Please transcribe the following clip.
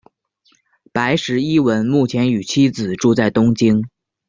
白石一文目前与妻子住在东京。